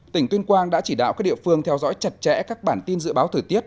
tỉnh tuyên quang đã chỉ đạo các địa phương theo dõi chặt chẽ các bản tin dự báo thời tiết